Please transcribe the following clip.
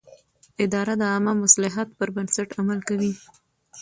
اداره د عامه مصلحت پر بنسټ عمل کوي.